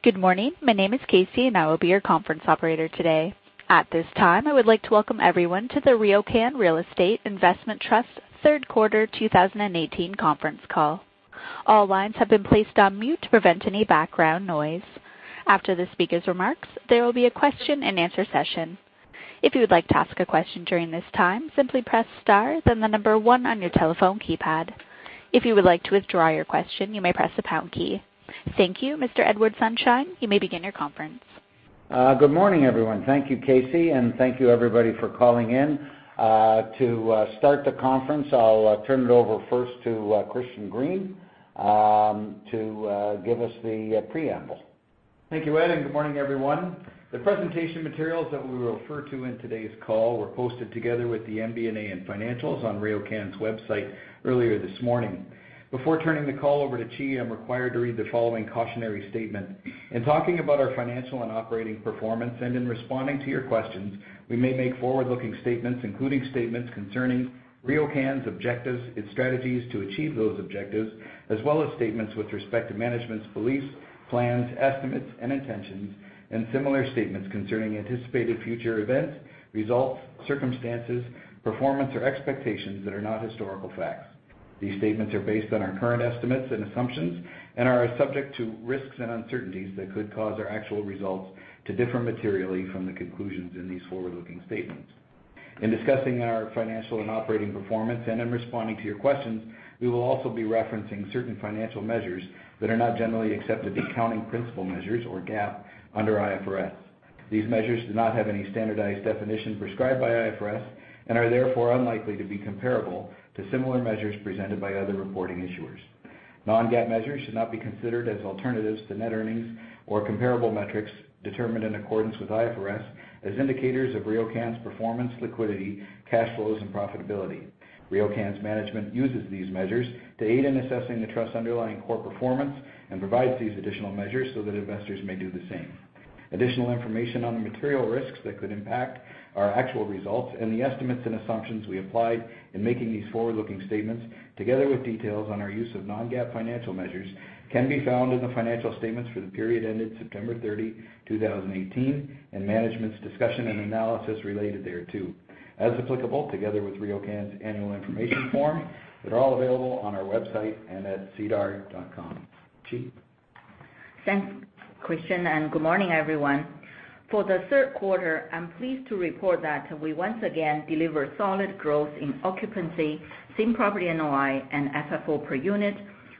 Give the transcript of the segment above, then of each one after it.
Good morning. My name is Casey, and I will be your conference operator today. At this time, I would like to welcome everyone to the RioCan Real Estate Investment Trust third quarter 2018 conference call. All lines have been placed on mute to prevent any background noise. After the speaker's remarks, there will be a question and answer session. If you would like to ask a question during this time, simply press star then the number one on your telephone keypad. If you would like to withdraw your question, you may press the pound key. Thank you. Mr. Edward Sonshine, you may begin your conference. Good morning, everyone. Thank you, Casey, and thank you everybody for calling in. To start the conference, I'll turn it over first to Christian Green to give us the preamble. Thank you, Ed. Good morning, everyone. The presentation materials that we refer to in today's call were posted together with the MD&A and financials on RioCan's website earlier this morning. Before turning the call over to Qi, I'm required to read the following cautionary statement. In talking about our financial and operating performance, in responding to your questions, we may make forward-looking statements, including statements concerning RioCan's objectives, its strategies to achieve those objectives, as well as statements with respect to management's beliefs, plans, estimates, and intentions, similar statements concerning anticipated future events, results, circumstances, performance, or expectations that are not historical facts. These statements are based on our current estimates and assumptions and are subject to risks and uncertainties that could cause our actual results to differ materially from the conclusions in these forward-looking statements. In discussing our financial and operating performance, in responding to your questions, we will also be referencing certain financial measures that are not generally accepted accounting principle measures or GAAP under IFRS. These measures do not have any standardized definition prescribed by IFRS and are therefore unlikely to be comparable to similar measures presented by other reporting issuers. Non-GAAP measures should not be considered as alternatives to net earnings or comparable metrics determined in accordance with IFRS as indicators of RioCan's performance, liquidity, cash flows, and profitability. RioCan's management uses these measures to aid in assessing the trust's underlying core performance and provides these additional measures so that investors may do the same. Additional information on the material risks that could impact our actual results and the estimates and assumptions we applied in making these forward-looking statements, together with details on our use of non-GAAP financial measures, can be found in the financial statements for the period ended September 30, 2018, and Management's Discussion and Analysis related thereto. As applicable, together with RioCan's annual information form, they're all available on our website and at sedar.com. Qi. Thanks, Christian, and good morning, everyone. For the third quarter, I'm pleased to report that we once again deliver solid growth in occupancy, same property NOI, and FFO per unit,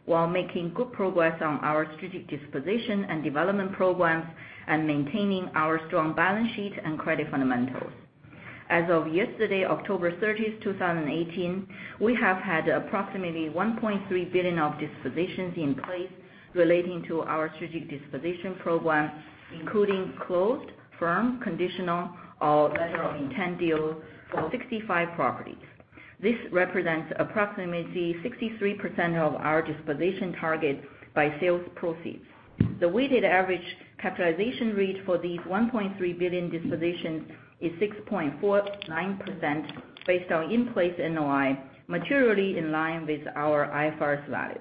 while making good progress on our strategic disposition and development programs and maintaining our strong balance sheet and credit fundamentals. As of yesterday, October 30th, 2018, we have had approximately 1.3 billion of dispositions in place relating to our strategic disposition program, including closed, firm, conditional, or letter of intent deals for 65 properties. This represents approximately 63% of our disposition target by sales proceeds. The weighted average capitalization rate for these 1.3 billion dispositions is 6.49%, based on in-place NOI, materially in line with our IFRS value.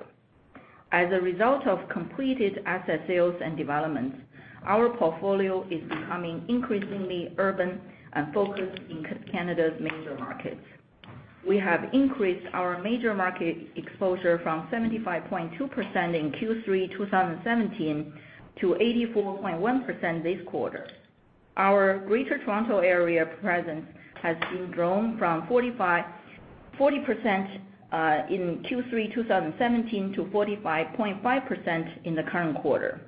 As a result of completed asset sales and developments, our portfolio is becoming increasingly urban and focused in Canada's major markets. We have increased our major market exposure from 75.2% in Q3 2017 to 84.1% this quarter. Our Greater Toronto Area presence has been grown from 40% in Q3 2017 to 45.5% in the current quarter.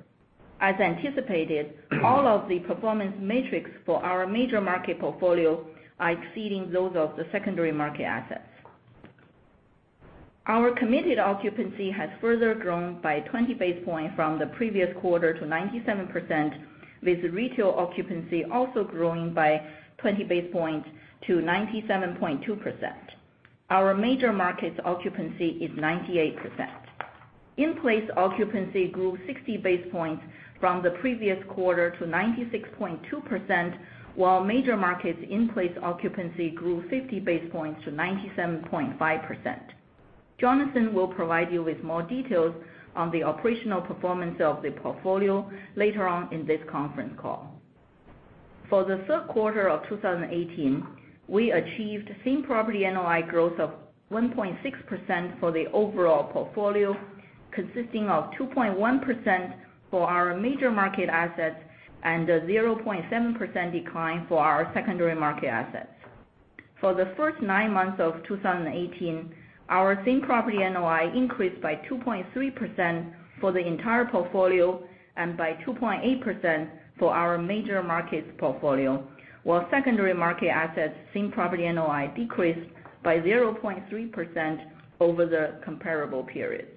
As anticipated, all of the performance metrics for our major market portfolio are exceeding those of the secondary market assets. Our committed occupancy has further grown by 20 basis points from the previous quarter to 97%, with retail occupancy also growing by 20 basis points to 97.2%. Our major markets occupancy is 98%. In-place occupancy grew 60 basis points from the previous quarter to 96.2%, while major markets in-place occupancy grew 50 basis points to 97.5%. Jonathan will provide you with more details on the operational performance of the portfolio later on in this conference call. For the third quarter of 2018, we achieved same property NOI growth of 1.6% for the overall portfolio, consisting of 2.1% for our major market assets and a 0.7% decline for our secondary market assets. For the first nine months of 2018, our same property NOI increased by 2.3% for the entire portfolio and by 2.8% for our major markets portfolio, while secondary market assets same property NOI decreased by 0.3% over the comparable periods.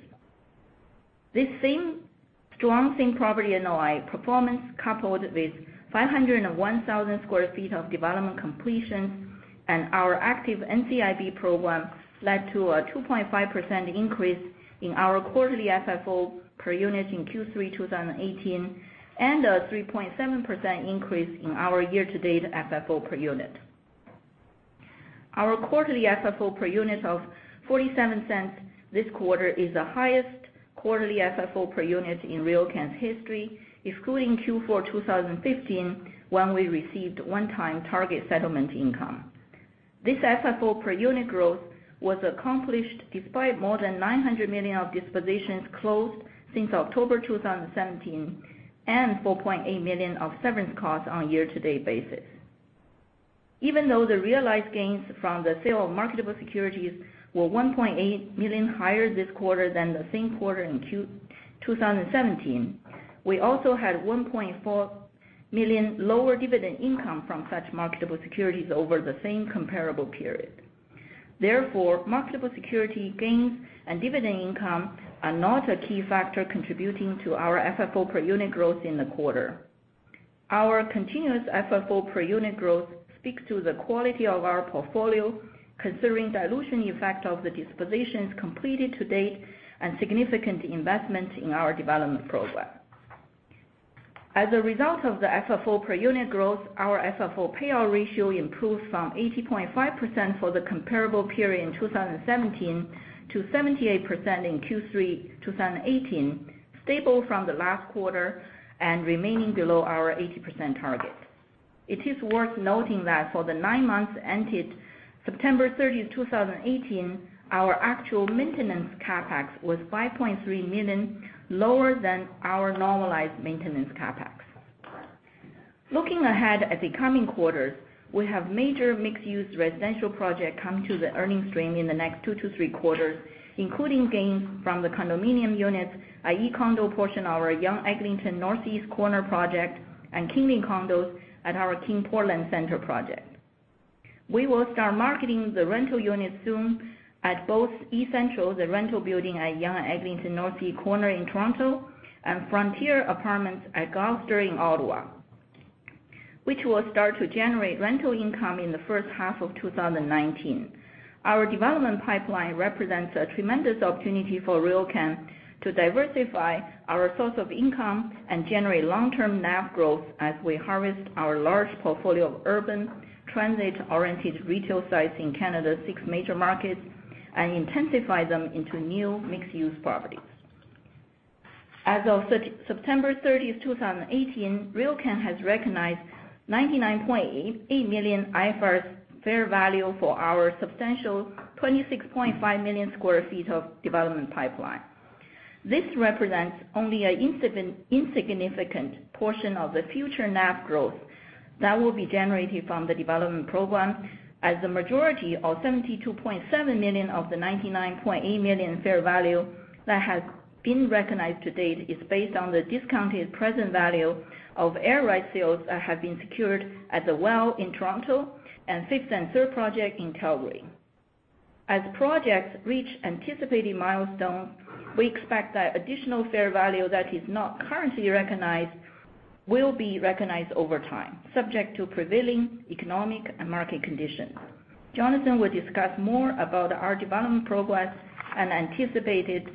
This strong same property NOI performance, coupled with 501,000 sq ft of development completions and our active NCIB program, led to a 2.5% increase in our quarterly FFO per unit in Q3 2018 and a 3.7% increase in our year-to-date FFO per unit. Our quarterly FFO per unit of 0.47 this quarter is the highest quarterly FFO per unit in RioCan's history, excluding Q4 2015, when we received one-time target settlement income. This FFO per unit growth was accomplished despite more than 900 million of dispositions closed since October 2017 and 4.8 million of severance costs on a year-to-date basis. Even though the realized gains from the sale of marketable securities were 1.8 million higher this quarter than the same quarter in Q2017, we also had 1.4 million lower dividend income from such marketable securities over the same comparable period. Marketable security gains and dividend income are not a key factor contributing to our FFO per unit growth in the quarter. Our continuous FFO per unit growth speaks to the quality of our portfolio, considering dilution effect of the dispositions completed to date, and significant investment in our development program. As a result of the FFO per unit growth, our FFO payout ratio improved from 80.5% for the comparable period in 2017 to 78% in Q3 2018, stable from the last quarter and remaining below our 80% target. It is worth noting that for the nine months ended September 30th, 2018, our actual maintenance CapEx was 5.3 million lower than our normalized maintenance CapEx. Looking ahead at the coming quarters, we have major mixed-use residential project coming to the earnings stream in the next two to three quarters, including gains from the condominium units, i.e. condo portion of our Yonge-Eglinton Northeast Corner project, and Kingly Condos at our King Portland Centre project. We will start marketing the rental units soon at both eCentral, the rental building at Yonge and Eglinton Northeast Corner in Toronto, and Frontier Apartments at Gloucester in Ottawa, which will start to generate rental income in the first half of 2019. Our development pipeline represents a tremendous opportunity for RioCan to diversify our source of income and generate long-term NAV growth as we harvest our large portfolio of urban transit-oriented retail sites in Canada's six major markets and intensify them into new mixed-use properties. As of September 30th, 2018, RioCan has recognized 99.8 million IFRS fair value for our substantial 26.5 million sq ft of development pipeline. This represents only an insignificant portion of the future NAV growth that will be generated from the development program, as the majority of 72.7 million of the 99.8 million fair value that has been recognized to date is based on the discounted present value of air right sales that have been secured at the Well in Toronto and 5th & Third project in Calgary. As projects reach anticipated milestones, we expect that additional fair value that is not currently recognized will be recognized over time, subject to prevailing economic and market conditions. Jonathan will discuss more about our development progress and anticipated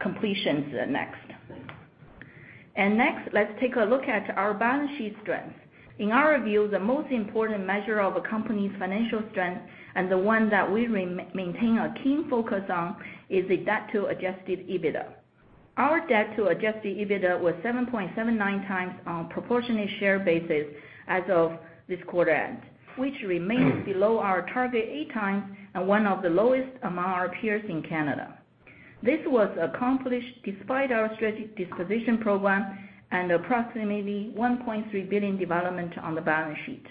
completions next. Next, let's take a look at our balance sheet strength. In our view, the most important measure of a company's financial strength, and the one that we maintain a keen focus on, is the debt to adjusted EBITDA. Our debt to adjusted EBITDA was 7.79 times on a proportionally share basis as of this quarter end, which remains below our target eight times and one of the lowest among our peers in Canada. This was accomplished despite our strategic disposition program and approximately 1.3 billion development on the balance sheet.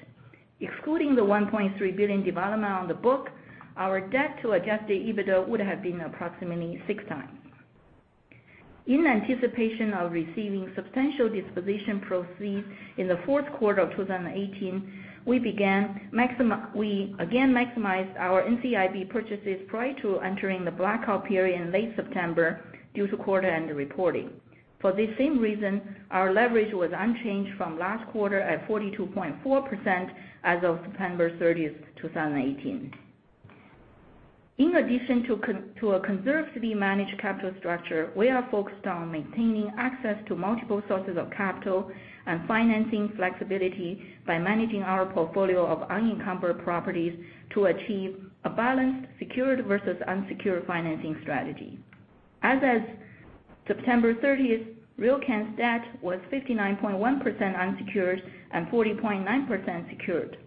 Excluding the 1.3 billion development on the book, our debt to adjusted EBITDA would have been approximately six times. In anticipation of receiving substantial disposition proceeds in the fourth quarter of 2018, we again maximized our NCIB purchases prior to entering the blackout period in late September due to quarter end reporting. For this same reason, our leverage was unchanged from last quarter at 42.4% as of September 30th, 2018. In addition to a conservatively managed capital structure, we are focused on maintaining access to multiple sources of capital and financing flexibility by managing our portfolio of unencumbered properties to achieve a balanced secured versus unsecured financing strategy. As of September 30th, RioCan's debt was 59.1% unsecured and 40.9% secured.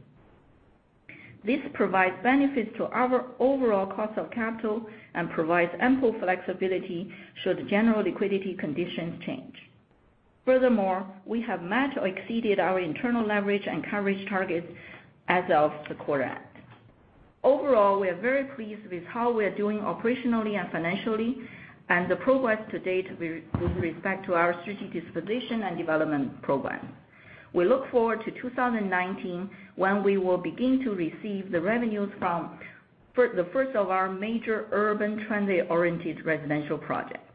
This provides benefits to our overall cost of capital and provides ample flexibility should general liquidity conditions change. Furthermore, we have met or exceeded our internal leverage and coverage targets as of the quarter end. Overall, we are very pleased with how we are doing operationally and financially, and the progress to date with respect to our strategic disposition and development program. We look forward to 2019, when we will begin to receive the revenues from the first of our major urban transit-oriented residential projects.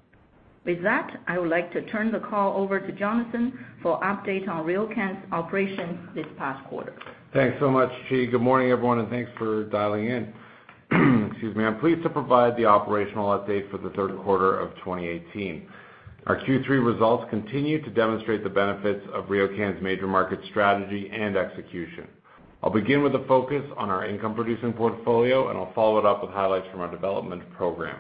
With that, I would like to turn the call over to Jonathan for update on RioCan's operations this past quarter. Thanks so much, Qi. Good morning, everyone. Thanks for dialing in. Excuse me. I'm pleased to provide the operational update for the third quarter of 2018. Our Q3 results continue to demonstrate the benefits of RioCan's major market strategy and execution. I'll begin with a focus on our income-producing portfolio, and I'll follow it up with highlights from our development program.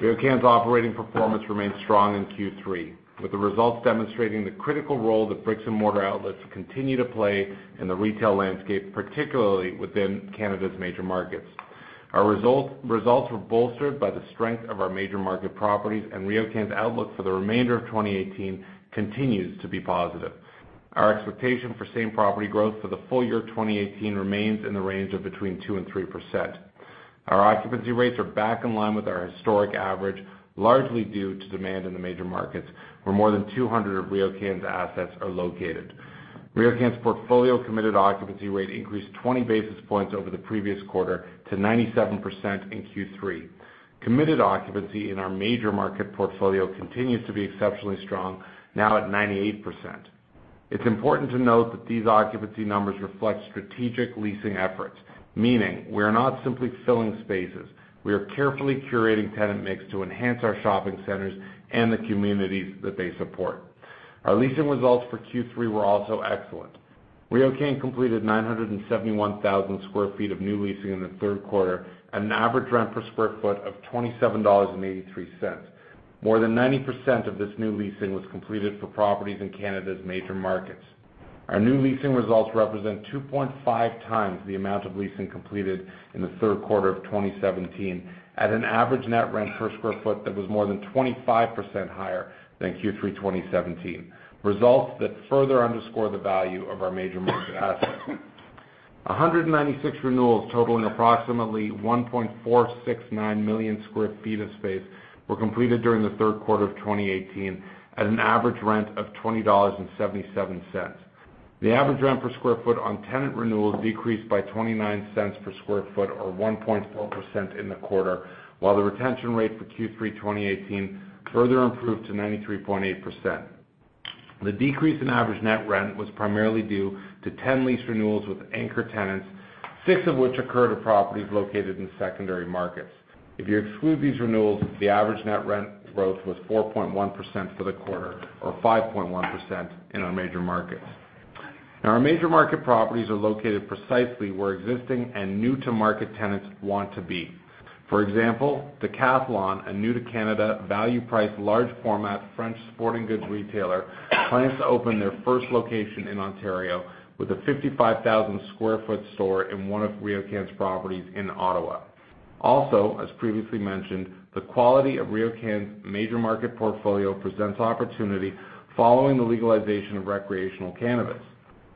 RioCan's operating performance remained strong in Q3, with the results demonstrating the critical role that bricks-and-mortar outlets continue to play in the retail landscape, particularly within Canada's major markets. Our results were bolstered by the strength of our major market properties, and RioCan's outlook for the remainder of 2018 continues to be positive. Our expectation for same property growth for the full year 2018 remains in the range of between 2% and 3%. Our occupancy rates are back in line with our historic average, largely due to demand in the major markets where more than 200 of RioCan's assets are located. RioCan's portfolio committed occupancy rate increased 20 basis points over the previous quarter to 97% in Q3. Committed occupancy in our major market portfolio continues to be exceptionally strong, now at 98%. It's important to note that these occupancy numbers reflect strategic leasing efforts, meaning we are not simply filling spaces. We are carefully curating tenant mix to enhance our shopping centers and the communities that they support. Our leasing results for Q3 were also excellent. RioCan completed 971,000 square feet of new leasing in the third quarter at an average rent per square foot of 27.83 dollars. More than 90% of this new leasing was completed for properties in Canada's major markets. Our new leasing results represent 2.5 times the amount of leasing completed in the third quarter of 2017, at an average net rent per square foot that was more than 25% higher than Q3 2017, results that further underscore the value of our major market assets. 196 renewals totaling approximately 1.469 million square feet of space were completed during the third quarter of 2018 at an average rent of 20.77 dollars. The average rent per square foot on tenant renewals decreased by 0.29 per square foot, or 1.4% in the quarter, while the retention rate for Q3 2018 further improved to 93.8%. The decrease in average net rent was primarily due to 10 lease renewals with anchor tenants, six of which occurred at properties located in secondary markets. If you exclude these renewals, the average net rent growth was 4.1% for the quarter, or 5.1% in our major markets. Our major market properties are located precisely where existing and new-to-market tenants want to be. For example, Decathlon, a new-to-Canada, value-priced, large format French sporting goods retailer, plans to open their first location in Ontario with a 55,000 square foot store in one of RioCan's properties in Ottawa. Also, as previously mentioned, the quality of RioCan's major market portfolio presents opportunity following the legalization of recreational cannabis.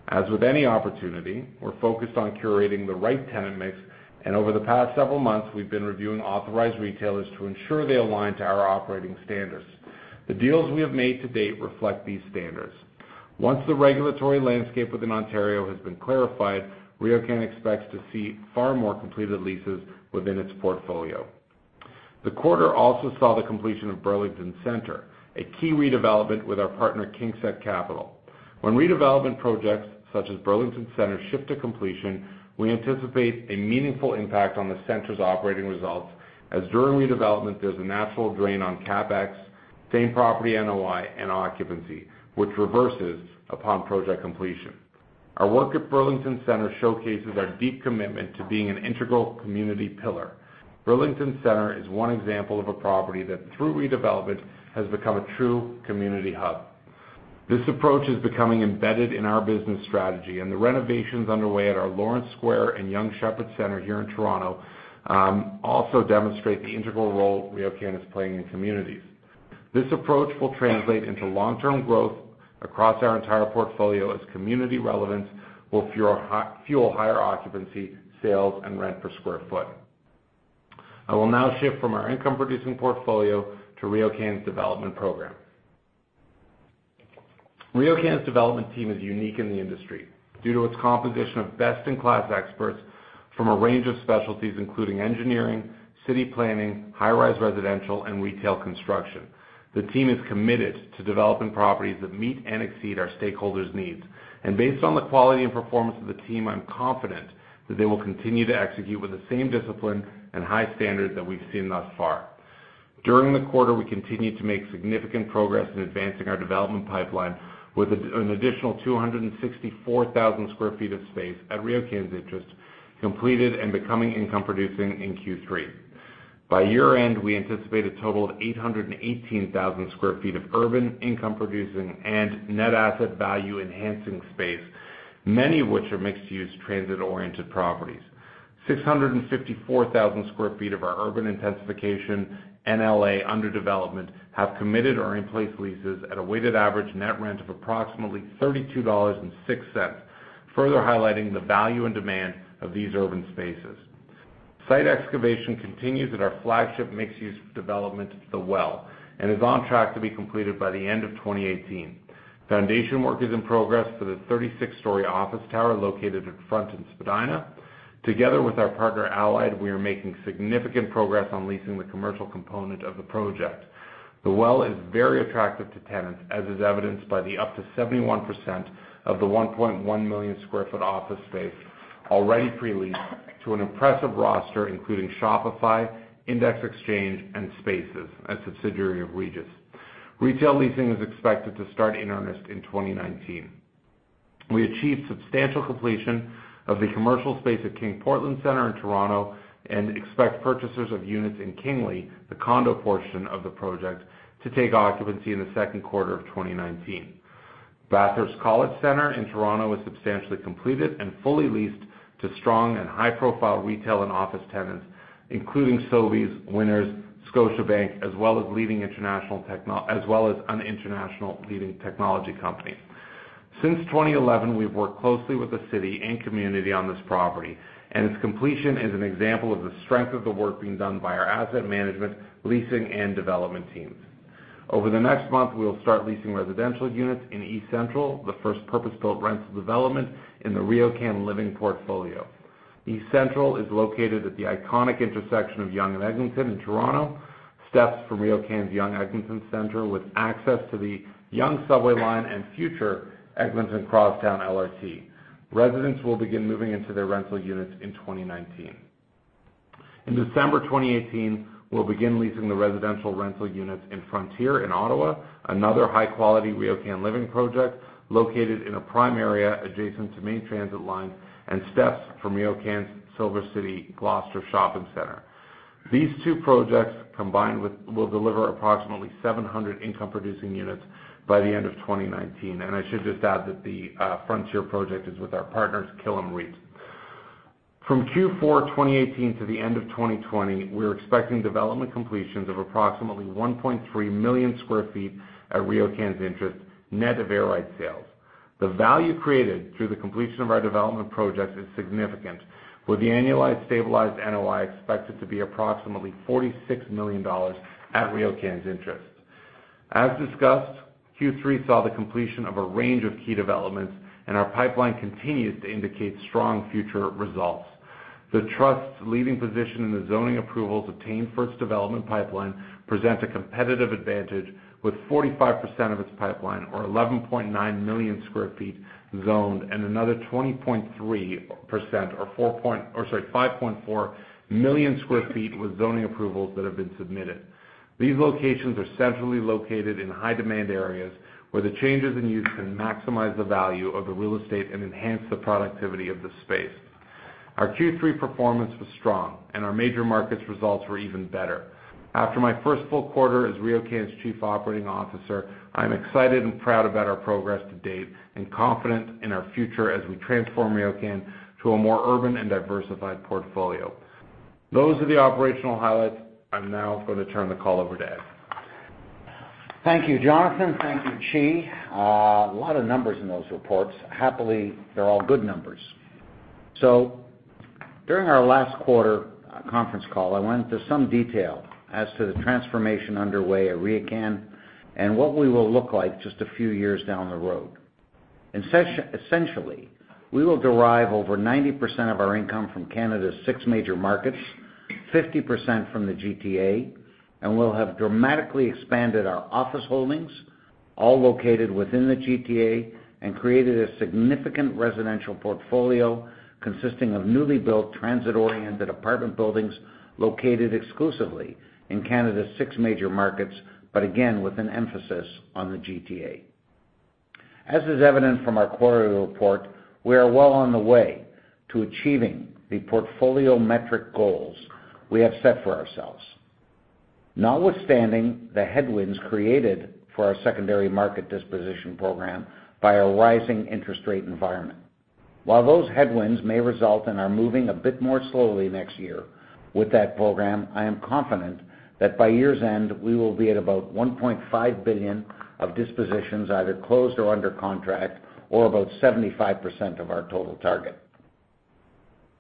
As with any opportunity, we're focused on curating the right tenant mix, and over the past several months, we've been reviewing authorized retailers to ensure they align to our operating standards. The deals we have made to date reflect these standards. Once the regulatory landscape within Ontario has been clarified, RioCan expects to see far more completed leases within its portfolio. The quarter also saw the completion of Burlington Centre, a key redevelopment with our partner KingSett Capital. When redevelopment projects such as Burlington Centre shift to completion, we anticipate a meaningful impact on the Center's operating results, as during redevelopment, there's a natural drain on CapEx, same property NOI, and occupancy, which reverses upon project completion. Our work at Burlington Centre showcases our deep commitment to being an integral community pillar. Burlington Centre is one example of a property that, through redevelopment, has become a true community hub. This approach is becoming embedded in our business strategy, and the renovations underway at our Lawrence Square and Yonge Sheppard Centre here in Toronto also demonstrate the integral role RioCan is playing in communities. This approach will translate into long-term growth across our entire portfolio as community relevance will fuel higher occupancy, sales, and rent per square foot. I will now shift from our income-producing portfolio to RioCan's development program. RioCan's development team is unique in the industry due to its composition of best-in-class experts from a range of specialties, including engineering, city planning, high-rise residential, and retail construction. The team is committed to developing properties that meet and exceed our stakeholders' needs. Based on the quality and performance of the team, I'm confident that they will continue to execute with the same discipline and high standards that we've seen thus far. During the quarter, we continued to make significant progress in advancing our development pipeline with an additional 264,000 square feet of space at RioCan's interest completed and becoming income producing in Q3. By year-end, we anticipate a total of 818,000 square feet of urban income-producing and net asset value-enhancing space, many of which are mixed-use, transit-oriented properties. 654,000 square feet of our urban intensification NLA under development have committed or in-place leases at a weighted average net rent of approximately 32.06 dollars, further highlighting the value and demand of these urban spaces. Site excavation continues at our flagship mixed-use development, The Well, and is on track to be completed by the end of 2018. Foundation work is in progress for the 36-story office tower located at Front and Spadina. Together with our partner Allied, we are making significant progress on leasing the commercial component of the project. The Well is very attractive to tenants, as is evidenced by the up to 71% of the 1.1 million square foot office space already pre-leased to an impressive roster, including Shopify, Index Exchange, and Spaces, a subsidiary of Regus. Retail leasing is expected to start in earnest in 2019. We achieved substantial completion of the commercial space at King Portland Centre in Toronto, and expect purchasers of units in Kingly, the condo portion of the project, to take occupancy in the second quarter of 2019. Bathurst College Centre in Toronto is substantially completed and fully leased to strong and high-profile retail and office tenants, including Sobeys, Winners, Scotiabank, as well as an international leading technology company. Since 2011, we've worked closely with the city and community on this property, its completion is an example of the strength of the work being done by our asset management, leasing, and development teams. Over the next month, we'll start leasing residential units in eCentral, the first purpose-built rental development in the RioCan Living portfolio. eCentral is located at the iconic intersection of Yonge and Eglinton in Toronto, steps from RioCan's Yonge Eglinton Centre, with access to the Yonge subway line and future Eglinton Crosstown LRT. Residents will begin moving into their rental units in 2019. In December 2018, we'll begin leasing the residential rental units in Frontier in Ottawa, another high-quality RioCan Living project located in a prime area adjacent to main transit lines and steps from RioCan's SilverCity Gloucester shopping centre. These two projects combined will deliver approximately 700 income-producing units by the end of 2019. I should just add that the Frontier project is with our partners, Killam REIT. From Q4 2018 to the end of 2020, we're expecting development completions of approximately 1.3 million square feet at RioCan's interest, net of air rights sales. The value created through the completion of our development projects is significant, with the annualized stabilized NOI expected to be approximately 46 million dollars at RioCan's interest. As discussed, Q3 saw the completion of a range of key developments, and our pipeline continues to indicate strong future results. The trust's leading position in the zoning approvals obtained for its development pipeline presents a competitive advantage with 45% of its pipeline, or 11.9 million sq ft zoned, and another 20.3%, or 5.4 million sq ft with zoning approvals that have been submitted. These locations are centrally located in high-demand areas, where the changes in use can maximize the value of the real estate and enhance the productivity of the space. Our Q3 performance was strong, and our major markets results were even better. After my first full quarter as RioCan's Chief Operating Officer, I'm excited and proud about our progress to date, and confident in our future as we transform RioCan to a more urban and diversified portfolio. Those are the operational highlights. I'm now going to turn the call over to Ed. Thank you, Jonathan. Thank you, Qi. A lot of numbers in those reports. Happily, they're all good numbers. During our last quarter conference call, I went into some detail as to the transformation underway at RioCan and what we will look like just a few years down the road. Essentially, we will derive over 90% of our income from Canada's six major markets, 50% from the GTA, and we'll have dramatically expanded our office holdings, all located within the GTA, and created a significant residential portfolio consisting of newly built, transit-oriented apartment buildings located exclusively in Canada's six major markets, but again, with an emphasis on the GTA. As is evident from our quarterly report, we are well on the way to achieving the portfolio metric goals we have set for ourselves, notwithstanding the headwinds created for our secondary market disposition program by a rising interest rate environment. While those headwinds may result in our moving a bit more slowly next year with that program, I am confident that by year's end, we will be at about 1.5 billion of dispositions either closed or under contract or about 75% of our total target.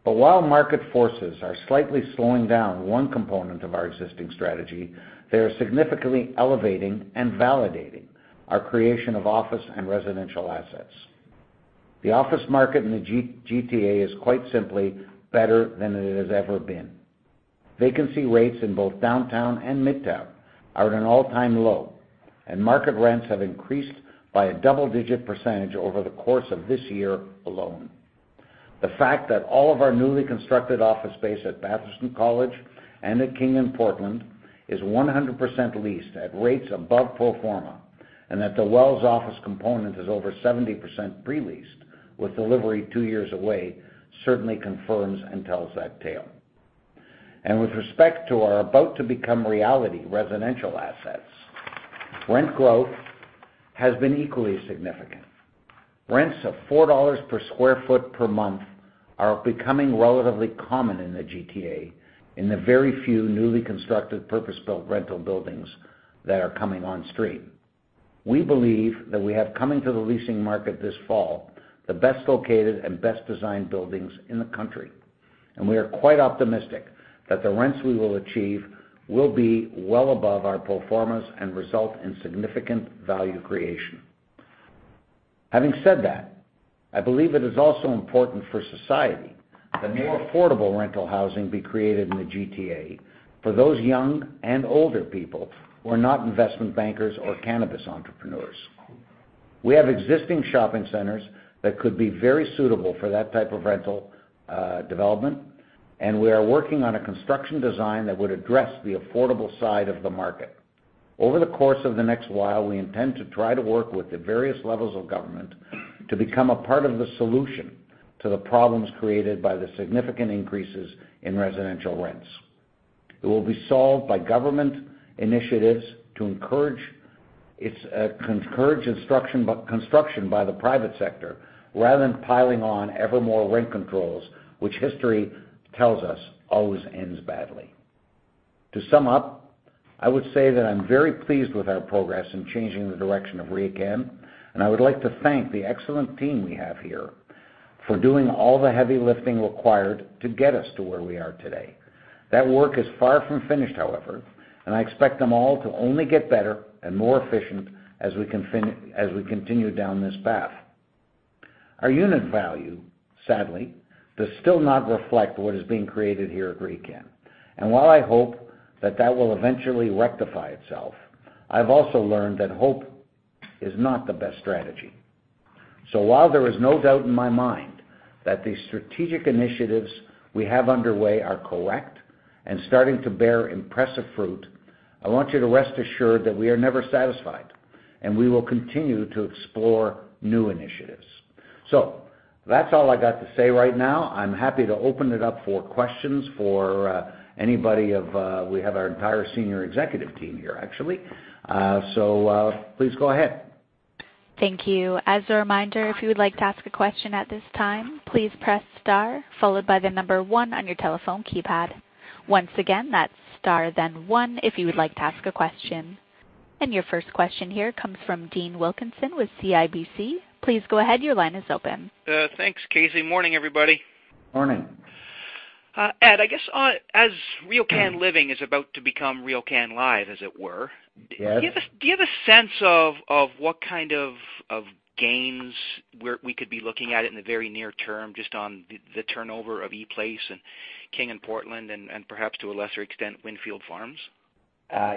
While market forces are slightly slowing down one component of our existing strategy, they are significantly elevating and validating our creation of office and residential assets. The office market in the GTA is quite simply better than it has ever been. Vacancy rates in both downtown and midtown are at an all-time low, and market rents have increased by a double-digit % over the course of this year alone. The fact that all of our newly constructed office space at Bathurst College and at King & Portland is 100% leased at rates above pro forma, and that The Well's office component is over 70% pre-leased with delivery 2 years away, certainly confirms and tells that tale. With respect to our about to become reality residential assets, rent growth has been equally significant. Rents of 4 dollars per square foot per month are becoming relatively common in the GTA in the very few newly constructed purpose-built rental buildings that are coming on stream. We believe that we have coming to the leasing market this fall, the best-located and best-designed buildings in the country. We are quite optimistic that the rents we will achieve will be well above our pro formas and result in significant value creation. Having said that, I believe it is also important for society that more affordable rental housing be created in the GTA for those young and older people who are not investment bankers or cannabis entrepreneurs. We have existing shopping centers that could be very suitable for that type of rental development. We are working on a construction design that would address the affordable side of the market. Over the course of the next while, we intend to try to work with the various levels of government to become a part of the solution to the problems created by the significant increases in residential rents. It will be solved by government initiatives to encourage its construction by the private sector, rather than piling on ever more rent controls, which history tells us always ends badly. To sum up, I would say that I'm very pleased with our progress in changing the direction of RioCan. I would like to thank the excellent team we have here for doing all the heavy lifting required to get us to where we are today. That work is far from finished, however. I expect them all to only get better and more efficient as we continue down this path. Our unit value, sadly, does still not reflect what is being created here at RioCan. While I hope that that will eventually rectify itself, I've also learned that hope is not the best strategy. While there is no doubt in my mind that the strategic initiatives we have underway are correct and starting to bear impressive fruit, I want you to rest assured that we are never satisfied. We will continue to explore new initiatives. That's all I got to say right now. I'm happy to open it up for questions. We have our entire senior executive team here, actually. Please go ahead. Thank you. As a reminder, if you would like to ask a question at this time, please press star followed by 1 on your telephone keypad. Once again, that's star, then 1 if you would like to ask a question. Your first question here comes from Dean Wilkinson with CIBC. Please go ahead. Your line is open. Thanks, Casey. Morning, everybody. Morning. Ed, I guess as RioCan Living is about to become RioCan Live, as it were. Yes do you have a sense of what kind of gains we could be looking at in the very near term, just on the turnover of ePlace and King & Portland and perhaps to a lesser extent, Windfields Farm?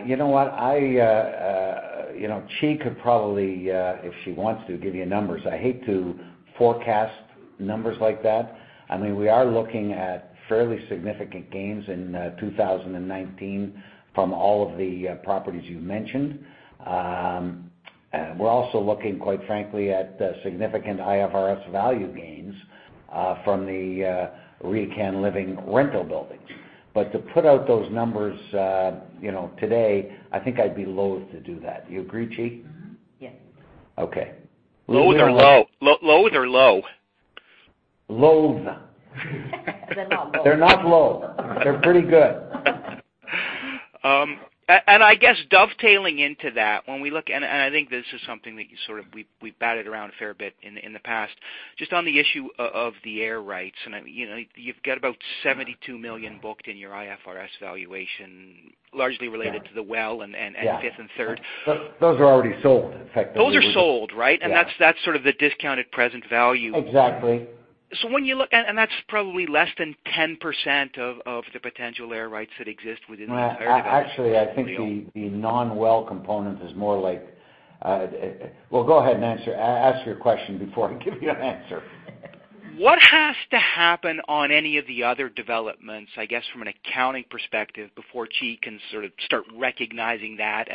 You know what? Qi could probably, if she wants to, give you numbers. I hate to forecast numbers like that. We are looking at fairly significant gains in 2019 from all of the properties you mentioned. We're also looking, quite frankly, at significant IFRS value gains from the RioCan Living rental buildings. To put out those numbers today, I think I'd be loathe to do that. Do you agree, Qi? Mm-hmm. Yes. Okay. Loathe or low? Loathe. They're not low. They're not low. They're pretty good. I guess dovetailing into that, I think this is something that we've batted around a fair bit in the past, just on the issue of the air rights. You've got about 72 million booked in your IFRS valuation, largely related to The Well and 5th & Third. Those are already sold, effectively. Those are sold, right? Yeah. That's sort of the discounted present value. Exactly. That's probably less than 10% of the potential air rights that exist within the entire development. Actually, I think the non-Well component is more like Well, go ahead and ask your question before I give you an answer. What has to happen on any of the other developments, I guess from an accounting perspective, before Qi can sort of start recognizing that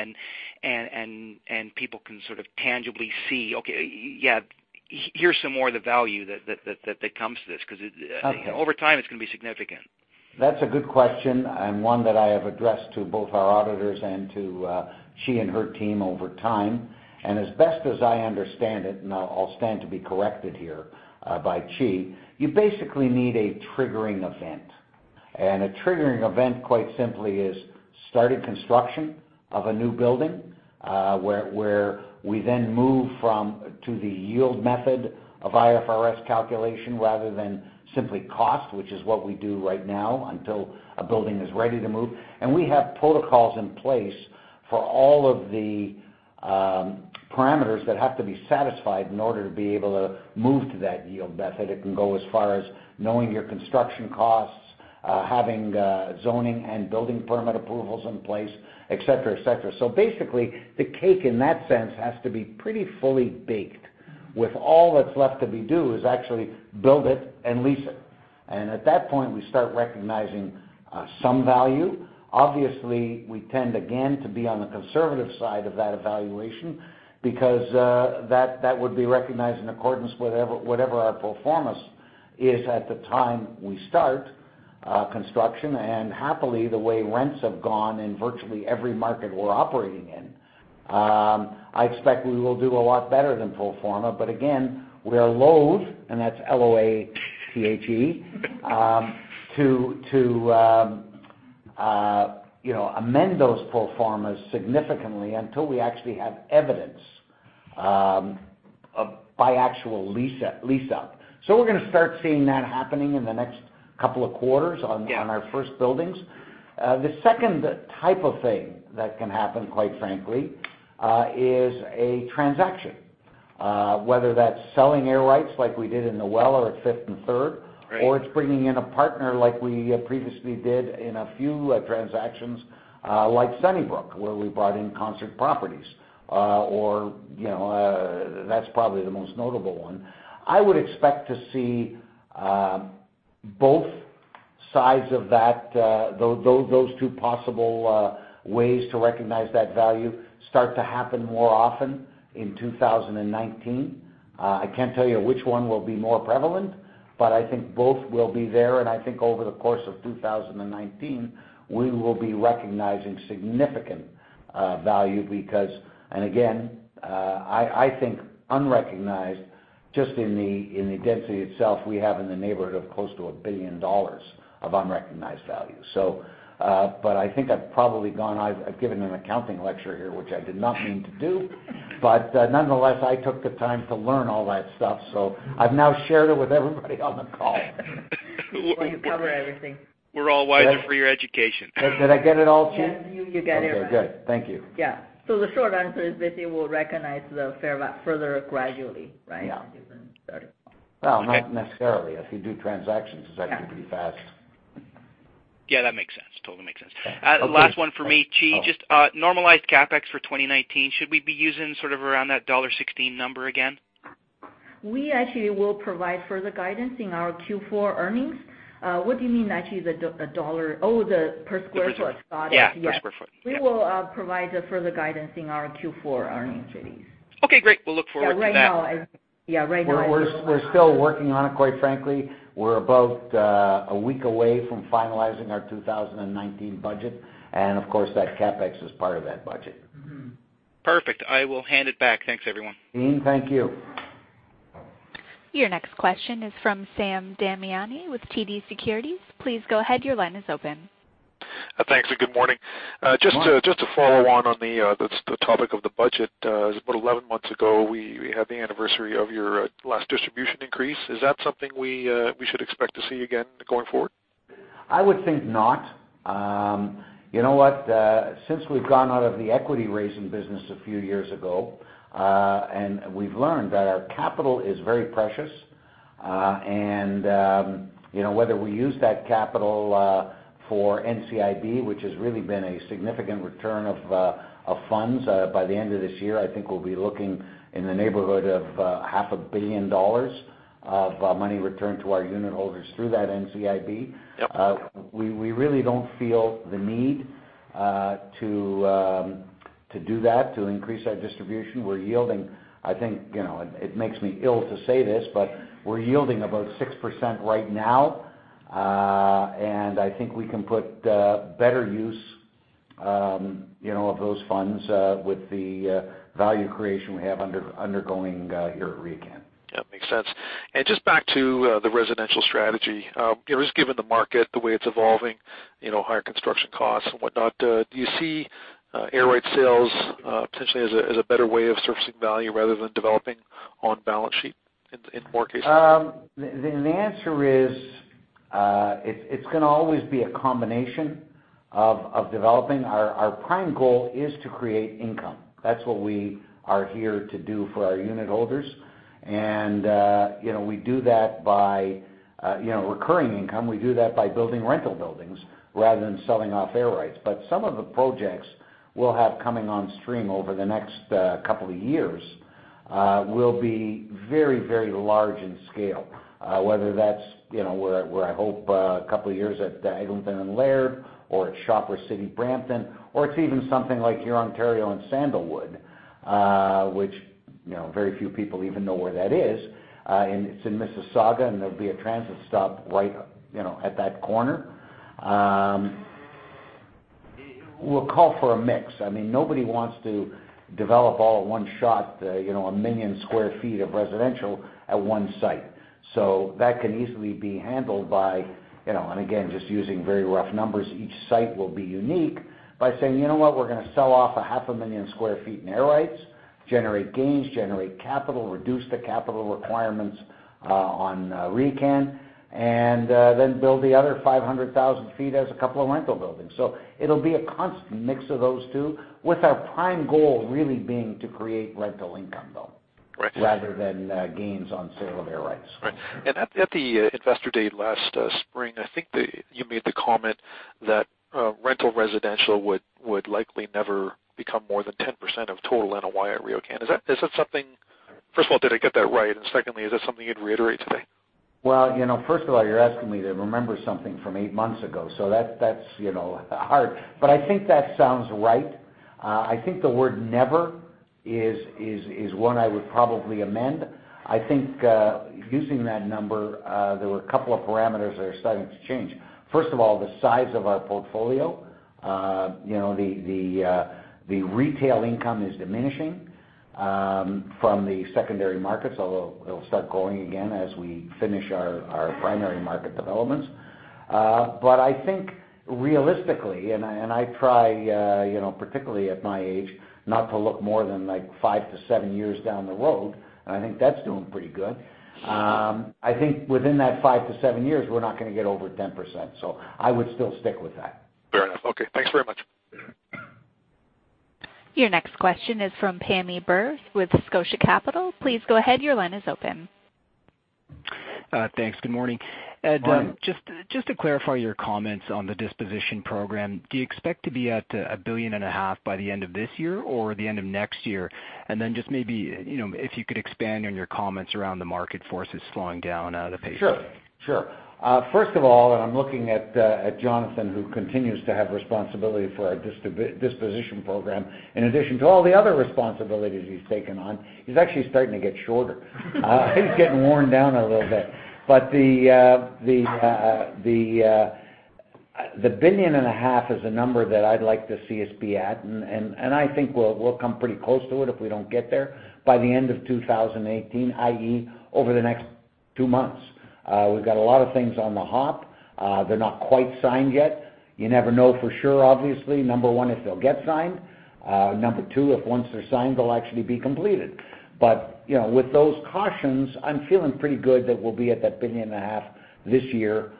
and people can sort of tangibly see, okay, yeah, here's some more of the value that comes to this, because over time it's going to be significant. That's a good question and one that I have addressed to both our auditors and to Qi and her team over time. As best as I understand it, and I'll stand to be corrected here by Qi, you basically need a triggering event. A triggering event, quite simply, is starting construction of a new building, where we then move to the yield method of IFRS calculation rather than simply cost, which is what we do right now until a building is ready to move. We have protocols in place for all of the parameters that have to be satisfied in order to be able to move to that yield method. It can go as far as knowing your construction costs, having zoning and building permit approvals in place, et cetera. Basically, the cake in that sense has to be pretty fully baked with all that's left to be do is actually build it and lease it. At that point, we start recognizing some value. Obviously, we tend again to be on the conservative side of that evaluation because that would be recognized in accordance with whatever our pro formas is at the time we start construction. Happily, the way rents have gone in virtually every market we're operating in, I expect we will do a lot better than pro forma. Again, we are loathe, and that's L-O-A-T-H-E- to amend those pro formas significantly until we actually have evidence by actual lease-up. We're going to start seeing that happening in the next couple of quarters. Yeah on our first buildings. The second type of thing that can happen, quite frankly, is a transaction. Whether that's selling air rights like we did in The Well or at 5th & Third. Right. It's bringing in a partner like we previously did in a few transactions, like Sunnybrook, where we brought in Concert Properties. That's probably the most notable one. I would expect to see both sides of those two possible ways to recognize that value start to happen more often in 2019. I can't tell you which one will be more prevalent, but I think both will be there, and I think over the course of 2019, we will be recognizing significant value because, again, I think unrecognized just in the density itself, we have in the neighborhood of close to 1 billion dollars of unrecognized value. I think I've probably given an accounting lecture here, which I did not mean to do. Nonetheless, I took the time to learn all that stuff, so I've now shared it with everybody on the call. You cover everything. We're all wiser for your education. Did I get it all, Qi? Yes, you got it right. Okay, good. Thank you. Yeah. The short answer is that it will recognize the further gradually, right? Yeah. Even starting. Well, not necessarily. If you do transactions, this could actually be fast. Yeah, that makes sense. Totally makes sense. Last one from me, Qi. Just normalized CapEx for 2019. Should we be using sort of around that CAD 1.16 number again? We actually will provide further guidance in our Q4 earnings. What do you mean actually the dollar? Oh, the per square foot guidance. Yeah, per square foot. Yeah. We will provide further guidance in our Q4 earnings release. Okay, great. We'll look forward to that. Yeah, right now- We're still working on it, quite frankly. We're about a week away from finalizing our 2019 budget. Of course, that CapEx is part of that budget. Perfect. I will hand it back. Thanks, everyone. Dean, thank you. Your next question is from Sam Damiani with TD Securities. Please go ahead, your line is open. Thanks. Good morning. Just to follow on the topic of the budget. It's about 11 months ago, we had the anniversary of your last distribution increase. Is that something we should expect to see again going forward? I would think not. You know what? Since we've gone out of the equity-raising business a few years ago, and we've learned that our capital is very precious. Whether we use that capital for NCIB, which has really been a significant return of funds. By the end of this year, I think we'll be looking in the neighborhood of half a billion dollars of money returned to our unit holders through that NCIB. Yep. We really don't feel the need to do that, to increase our distribution. We're yielding, I think it makes me ill to say this, but we're yielding about 6% right now. I think we can put better use of those funds with the value creation we have undergoing here at RioCan. Yeah, makes sense. Just back to the residential strategy. Just given the market the way it's evolving, higher construction costs and whatnot, do you see air right sales potentially as a better way of surfacing value rather than developing on-balance sheet in more cases? The answer is, it's going to always be a combination of developing. Our prime goal is to create income. That's what we are here to do for our unit holders. We do that by recurring income. We do that by building rental buildings rather than selling off air rights. Some of the projects we'll have coming on stream over the next couple of years will be very, very large in scale. Whether that's where I hope a couple of years at Eglinton and Laird or at Shoppers World Brampton, or it's even something like Hurontario Street and Sandalwood Parkway, which very few people even know where that is. It's in Mississauga, and there'll be a transit stop right at that corner. We'll call for a mix. Nobody wants to develop all at one shot 1 million sq ft of residential at one site. That can easily be handled by, and again, just using very rough numbers, each site will be unique, by saying, "You know what? We're going to sell off a half a million sq ft in air rights, generate gains, generate capital, reduce the capital requirements on RioCan, then build the other 500,000 sq ft as a couple of rental buildings." It'll be a constant mix of those two with our prime goal really being to create rental income, though. Right. Rather than gains on sale of air rights. Right. At the Investor Day last spring, I think that you made the comment that rental residential would likely never become more than 10% of total NOI at RioCan. First of all, did I get that right? Secondly, is that something you'd reiterate today? Well, first of all, you're asking me to remember something from eight months ago, that's hard. I think that sounds right. I think the word never is one I would probably amend. I think using that number, there were a couple of parameters that are starting to change. First of all, the size of our portfolio. The retail income is diminishing from the secondary markets, although it'll start going again as we finish our primary market developments. I think realistically, and I try, particularly at my age, not to look more than five to seven years down the road. I think that's doing pretty good. I think within that five to seven years, we're not going to get over 10%. I would still stick with that. Fair enough. Okay. Thanks very much. Your next question is from Pammi Bir with Scotia Capital. Please go ahead, your line is open. Thanks. Good morning. Good morning. Ed, just to clarify your comments on the disposition program, do you expect to be at a billion and a half by the end of this year or the end of next year? Just maybe, if you could expand on your comments around the market forces slowing down the pace. Sure. First of all, I'm looking at Jonathan, who continues to have responsibility for our disposition program, in addition to all the other responsibilities he's taken on. He's actually starting to get shorter. I think he's getting worn down a little bit. The billion and a half is a number that I'd like to see us be at. I think we'll come pretty close to it if we don't get there by the end of 2018, i.e., over the next two months. We've got a lot of things on the hop. They're not quite signed yet. You never know for sure, obviously, number 1, if they'll get signed, number 2, if once they're signed, they'll actually be completed. With those cautions, I'm feeling pretty good that we'll be at that billion and a half this year,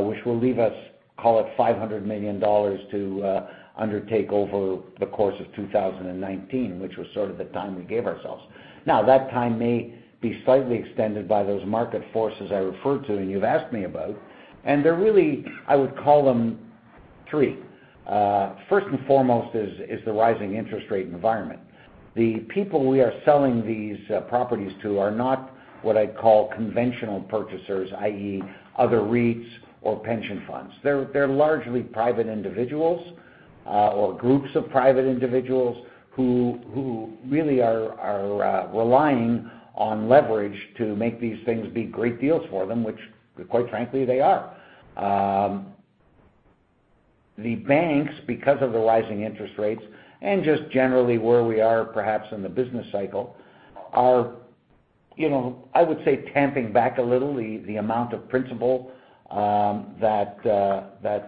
which will leave us, call it 500 million dollars to undertake over the course of 2019, which was sort of the time we gave ourselves. That time may be slightly extended by those market forces I referred to and you've asked me about, and they're really, I would call them three. First and foremost is the rising interest rate environment. The people we are selling these properties to are not what I'd call conventional purchasers, i.e., other REITs or pension funds. They're largely private individuals or groups of private individuals who really are relying on leverage to make these things be great deals for them, which, quite frankly, they are. The banks, because of the rising interest rates, and just generally where we are perhaps in the business cycle are, I would say, tamping back a little the amount of principal that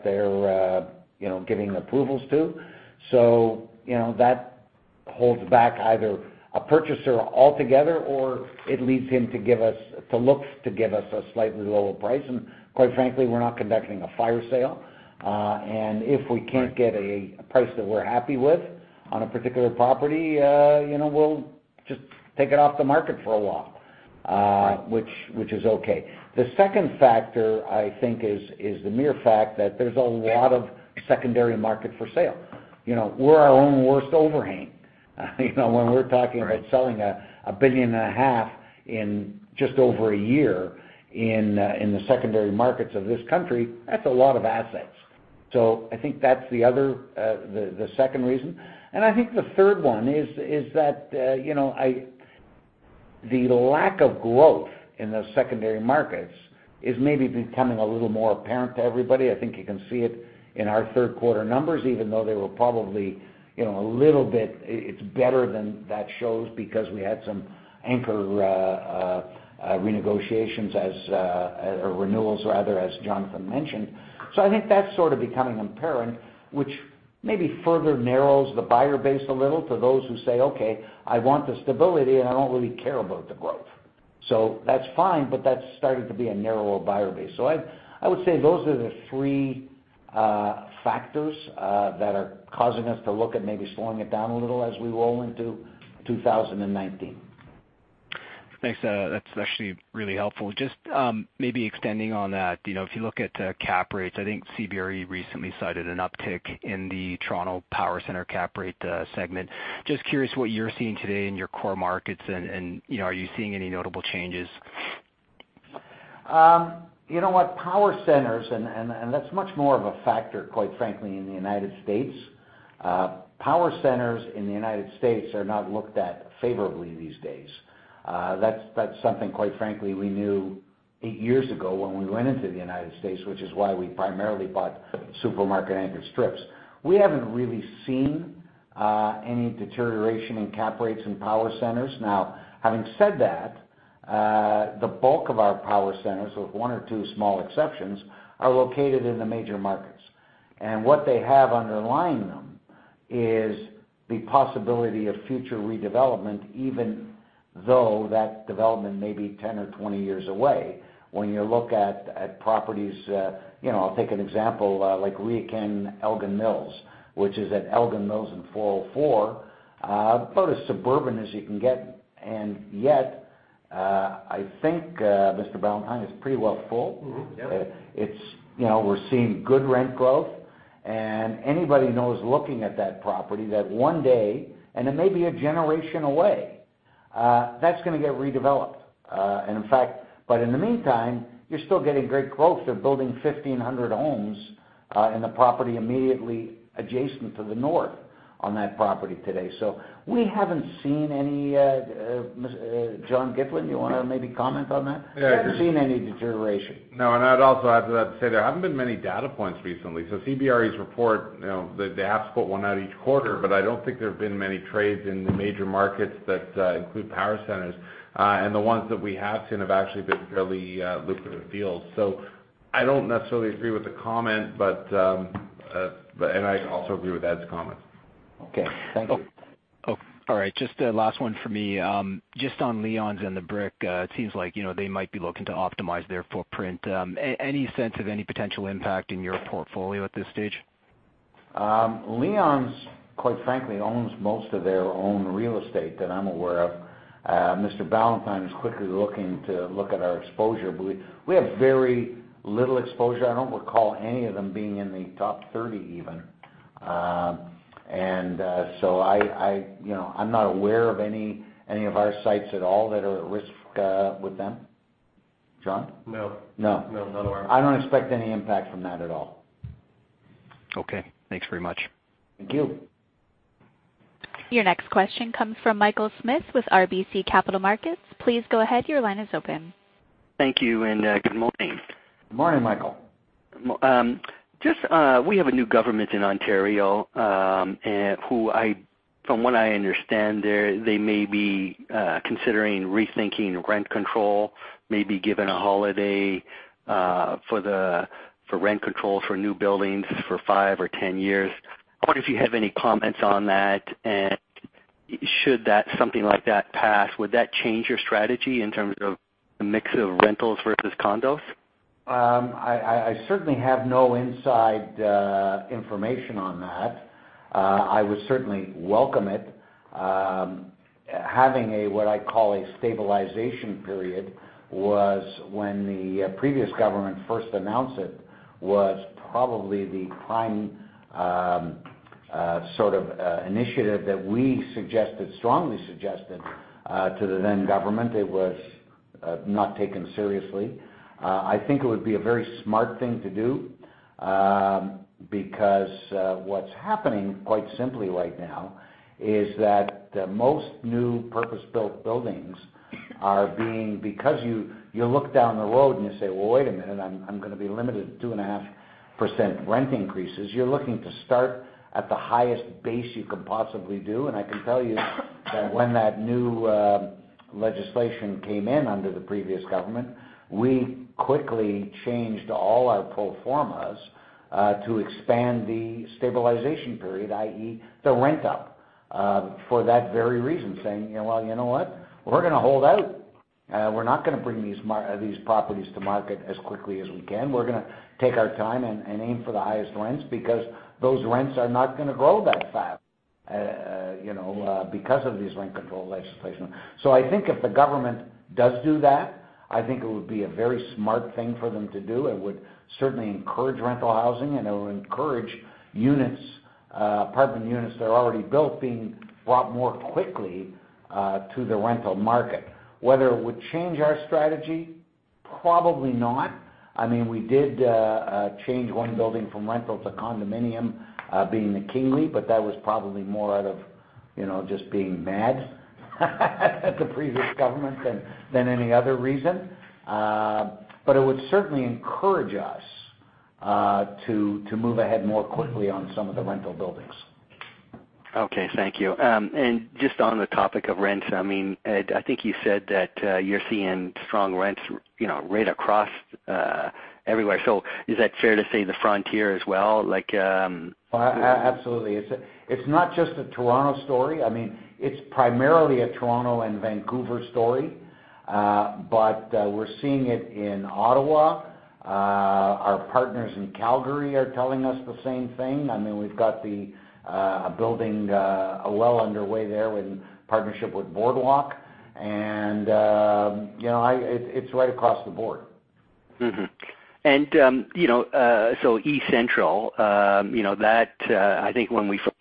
they're giving approvals to. That holds back either a purchaser altogether, or it leads him to look to give us a slightly lower price. Quite frankly, we're not conducting a fire sale. If we can't get a price that we're happy with on a particular property, we'll just take it off the market for a while. Right which is okay. The second factor, I think is the mere fact that there's a lot of secondary market for sale. We're our own worst overhang. When we're talking about selling a billion and a half in just over a year in the secondary markets of this country, that's a lot of assets. I think that's the second reason. I think the third one is that the lack of growth in the secondary markets is maybe becoming a little more apparent to everybody. I think you can see it in our third-quarter numbers, even though they were probably a little bit, it's better than that shows because we had some anchor renegotiations or renewals rather, as Jonathan mentioned. I think that's sort of becoming apparent, which maybe further narrows the buyer base a little for those who say, "Okay, I want the stability, and I don't really care about the growth." That's fine, but that's started to be a narrower buyer base. I would say those are the three factors that are causing us to look at maybe slowing it down a little as we roll into 2019. Thanks. That's actually really helpful. Just maybe extending on that. If you look at cap rates, I think CBRE recently cited an uptick in the Toronto power center cap rate segment. Just curious what you're seeing today in your core markets, and are you seeing any notable changes? You know what? Power centers, that's much more of a factor, quite frankly, in the United States. Power centers in the United States are not looked at favorably these days. That's something, quite frankly, we knew eight years ago when we went into the United States, which is why we primarily bought supermarket-anchored strips. We haven't really seen any deterioration in cap rates in power centers. Now, having said that, the bulk of our power centers, with one or two small exceptions, are located in the major markets. What they have underlying them is the possibility of future redevelopment, even though that development may be 10 or 20 years away. When you look at properties, I'll take an example, like RioCan Elgin Mills, which is at Elgin Mills in 404, about as suburban as you can get. Yet, I think, Mr. Ballantyne, it's pretty well full. Mm-hmm. Yep. We're seeing good rent growth. Anybody knows looking at that property that one day, and it may be a generation away, that's going to get redeveloped. In fact, but in the meantime, you're still getting great growth. They're building 1,500 homes in the property immediately adjacent to the north on that property today. We haven't seen any Jon Gitlin, you want to maybe comment on that? Yeah. We haven't seen any deterioration. No, I'd also add to that to say there haven't been many data points recently. CBRE's report, they have to put one out each quarter, but I don't think there have been many trades in the major markets that include power centers. The ones that we have seen have actually been fairly lucrative deals. I don't necessarily agree with the comment, and I also agree with Ed's comment. Okay. Thank you. All right. Just a last one for me. Just on Leon's and The Brick, it seems like they might be looking to optimize their footprint. Any sense of any potential impact in your portfolio at this stage? Leon's, quite frankly, owns most of their own real estate that I'm aware of. Mr. Ballantyne is quickly looking to look at our exposure, but we have very little exposure. I don't recall any of them being in the top 30 even. I'm not aware of any of our sites at all that are at risk with them. John? No. No. No. None of them are. I don't expect any impact from that at all. Okay. Thanks very much. Thank you. Your next question comes from Michael Smith with RBC Capital Markets. Please go ahead, your line is open. Thank you. Good morning. Good morning, Michael. We have a new government in Ontario, from what I understand, they may be considering rethinking rent control, may be given a holiday, for rent control for new buildings for five or 10 years. I wonder if you have any comments on that, and should something like that pass, would that change your strategy in terms of the mix of rentals versus condos? I certainly have no inside information on that. I would certainly welcome it. Having a, what I call a stabilization period, was when the previous government first announced it, was probably the prime sort of initiative that we suggested, strongly suggested, to the then government. It was not taken seriously. I think it would be a very smart thing to do, because, what's happening quite simply right now is that the most new purpose-built buildings are being, because you look down the road and you say, "Well, wait a minute. I'm going to be limited to 2.5% rent increases." You're looking to start at the highest base you can possibly do. I can tell you that when that new legislation came in under the previous government, we quickly changed all our pro formas to expand the stabilization period, i.e., the rent up, for that very reason, saying, "Well, you know what? We're going to hold out. We're not going to bring these properties to market as quickly as we can. We're going to take our time and aim for the highest rents because those rents are not going to grow that fast because of this rent control legislation." I think if the government does do that, I think it would be a very smart thing for them to do. It would certainly encourage rental housing, and it would encourage units, apartment units that are already built, being brought more quickly to the rental market. Whether it would change our strategy? Probably not. We did change one building from rental to condominium, being the Kingly, that was probably more out of just being mad at the previous government than any other reason. It would certainly encourage us to move ahead more quickly on some of the rental buildings. Okay. Thank you. Just on the topic of rents, I think you said that you're seeing strong rents rate across everywhere. Is that fair to say the Frontier as well? Absolutely. It's not just a Toronto story. It's primarily a Toronto and Vancouver story. We're seeing it in Ottawa. Our partners in Calgary are telling us the same thing. We've got the building, well underway there in partnership with Boardwalk. It's right across the board. eCentral, that, I think when we first